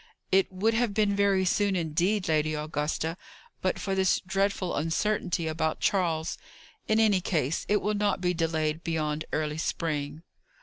"It would have been very soon indeed, Lady Augusta, but for this dreadful uncertainty about Charles. In any case, it will not be delayed beyond early spring."